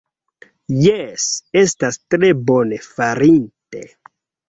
Jes, estas tre bone farite